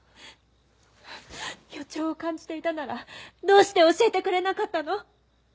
予兆を感じていたならどうして教えてくれなかったの？